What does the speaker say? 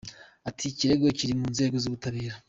Ati “Ikirego kiri mu nzego z’ubutabera.